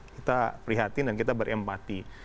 kita prihatin dan kita berempati